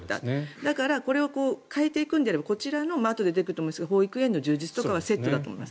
だからこれを変えていくのであればあとで出てくると思いますが保育園の充実とかはセットだと思います。